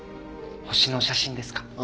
星の写真ですか？